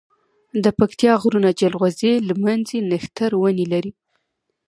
دپکتيا غرونه جلغوزي، لمنځی، نښتر ونی لری